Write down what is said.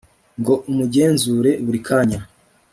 ngo umugenzure buri kanya